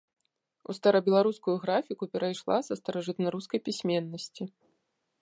У старабеларускую графіку перайшла са старажытнарускай пісьменнасці.